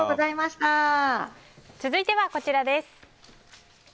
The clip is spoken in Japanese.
続いてはこちらです。